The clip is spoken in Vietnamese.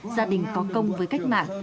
gia đình có công với cách mạng